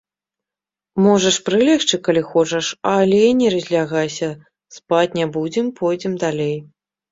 Можаш прылегчы, калі хочаш, але не разлягайся, спаць не будзем, пойдзем далей.